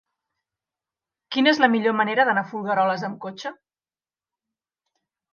Quina és la millor manera d'anar a Folgueroles amb cotxe?